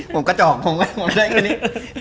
ผมกระจอกผมไม่ได้แค่นี้